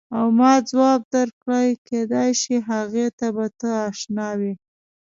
او ما ځواب درکړ کېدای شي هغې ته به ته اشنا وې.